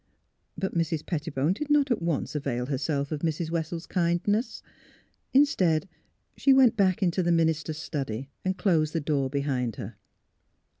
But Mrs. Pettibone did not at once avail her self of Mrs. Wessels' kindness. Instead, she went back into the minister's study and closed the door behind her.